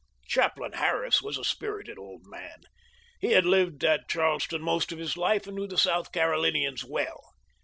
Chaplain Harris was a spirited old man. He had lived at Charleston most of his life and knew the South Carolinians well.